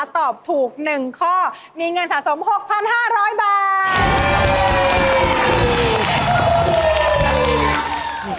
ตอบถูก๑ข้อมีเงินสะสม๖๕๐๐บาท